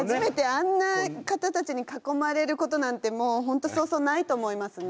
あんな方たちに囲まれることなんてもう本当そうそうないと思いますね。